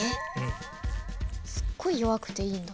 すごい弱くていいんだ。